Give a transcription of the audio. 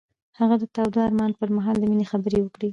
هغه د تاوده آرمان پر مهال د مینې خبرې وکړې.